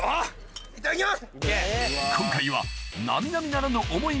いただきます！